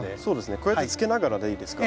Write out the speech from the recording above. こうやってつけながらでいいですか？